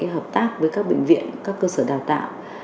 hợp tác với các bệnh viện các cơ sở đào tạo